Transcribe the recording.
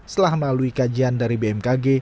setelah melalui kajian dari bmkg